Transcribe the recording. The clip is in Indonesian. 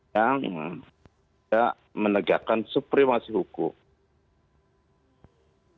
yang tidak menegakkan supremasi hukum